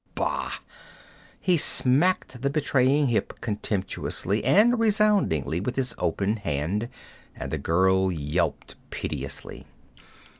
Bah!' He smacked the betraying hip contemptuously and resoundingly with his open hand, and the girl yelped piteously.